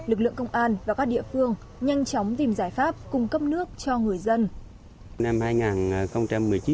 lực lượng công an và các địa phương nhanh chóng tìm giải pháp cung cấp nước cho người dân